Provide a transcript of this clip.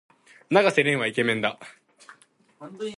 永瀬廉はイケメンだ。